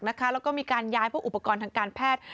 แล้วก็มีการย้ายพวกอุปกรณ์ทางการแพทย์